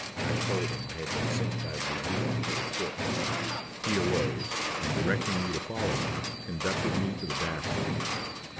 I told him I had been sent by the adjutant to report there. He arose, and directing me to follow him, conducted me to the bath rooms.